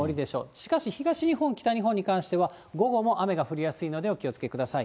しかし、東日本、北日本は午後も雨が降りやすいので、お気をつけください。